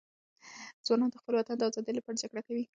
ځوانان د خپل وطن د آزادۍ لپاره جګړه کوي.